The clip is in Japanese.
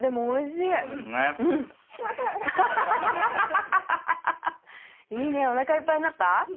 いいねおなかいっぱいになった？